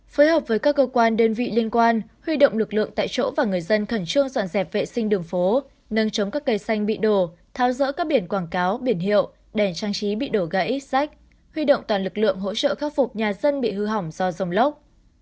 phối hợp với các cơ quan đơn vị liên quan huy động lực lượng tại chỗ và người dân khẩn trương dọn dẹp vệ sinh đường phố nâng chống các cây xanh bị đổ tháo rỡ các biển quảng cáo biển hiệu đèn trang trí bị đổ gãy rách huy động toàn lực lượng hỗ trợ khắc phục nhà dân bị hư hỏng do rông lốc